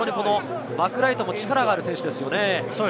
マクライトも力がある選手ですよね。